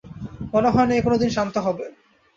মনে হয় না এ কোনো দিন শান্ত হবে।